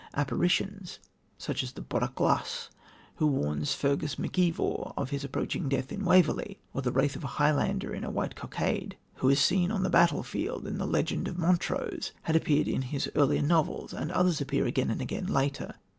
Apparitions such as the Bodach Glas who warns Fergus M'Ivor of his approaching death in Waverley, or the wraith of a Highlander in a white cockade who is seen on the battlefield in The Legend of Montrose had appeared in his earlier novels, and others appear again and again later.